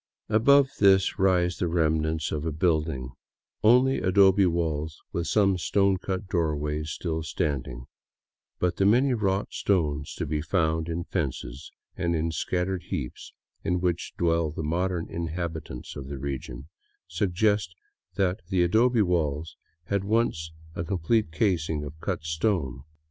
Above this rise the remnants of a building, only adobe walls with some cut stone doorways still stand ing; but the many wrought stones to be found in fences and in the scattered heaps in which dwell the modern inhabitants of the region, suggest that the adobe walls had once a complete casing of cut stone.